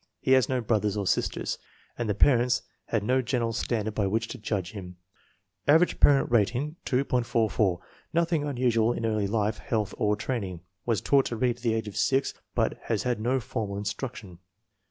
He has no brothers or sisters, and the parents had no general standard by which to judge him. Average parent rating, 2.44. Nothing unusual in early life, health, or training. Was taught to read at the age of 6, but has had no formal instruction.